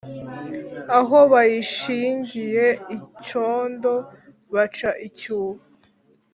Aho bayishingiye icondo mpaca icyuho